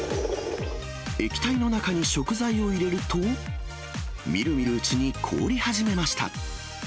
液体の中に食材を入れると、みるみるうちに凍り始めました。